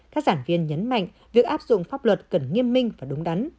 các giảng viên nhấn mạnh việc áp dụng pháp luật cần nghiêm minh và đúng đắn